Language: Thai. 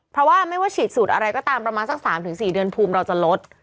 เพราะว่าไม่ว่าฉีดสูตรอะไรก็ตามประมาณสัก๓๔เดือนภูมิเราจะลด